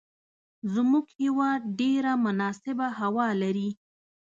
زموږ هیواد ډیره مناسبه هوا لری